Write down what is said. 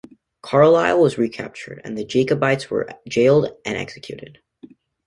Carlisle was recaptured, and the Jacobites were jailed and executed.